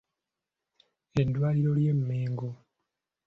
Eddwaliro ly'e Mengo.